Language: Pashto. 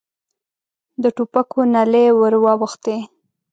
د ټوپکو نلۍ ور واوښتې.